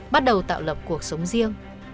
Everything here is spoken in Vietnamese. bắt đầu tạo lập cuộc sống riêng